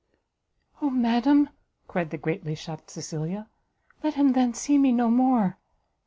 "Oh madam," cried the greatly shocked Cecilia, "let him, then, see me no more!